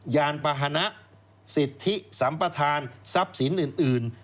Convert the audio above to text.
ยานปาหนะสิทธิสัมปทานทรัพย์สินอื่น